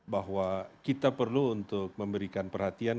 bahwa kita perlu untuk memberikan perhatian